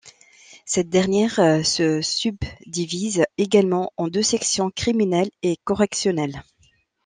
Cette dernière se subdivise également en deux sections criminelle et correctionnelle.